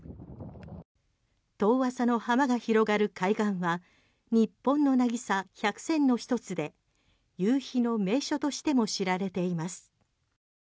遠浅の幅が広がる海岸は日本の渚１００選の一つで夕日の名所としても知られています。